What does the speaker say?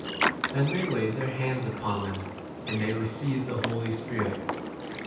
Then they laid their hands upon them, and they 1S received [the] Holy Spirit.